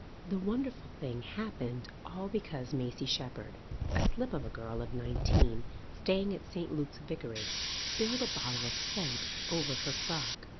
The wonderful thing happened all because Maisie Shepherd, a slip of a girl of nineteen, staying at St. Luke's Vicarage, spilled a bottle of scent over her frock.